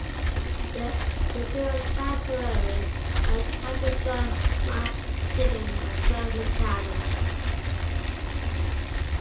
There, he was given sanctuary by Captain John MacKinnon of Clan MacKinnon.